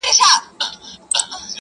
د اوښکو ټول څاڅکي دي ټول راټول کړه؛